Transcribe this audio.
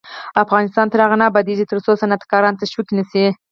افغانستان تر هغو نه ابادیږي، ترڅو صنعتکاران تشویق نشي.